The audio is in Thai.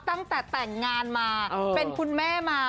ตั้งแต่แต่งงานมาเป็นคุณแม่มา